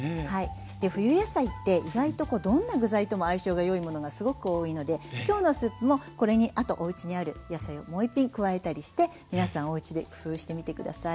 で冬野菜って意外とどんな具材とも相性がよいものがすごく多いので今日のスープもこれにあとおうちにある野菜をもう一品加えたりして皆さんおうちで工夫してみて下さい。